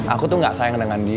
aku tuh gak sayang dengan dia